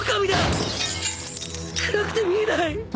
暗くて見えない！